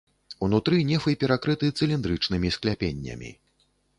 Унутры нефы перакрыты цыліндрычнымі скляпеннямі.